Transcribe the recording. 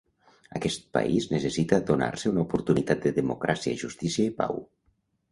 Aquest país necessita donar-se una oportunitat de democràcia, justícia i pau.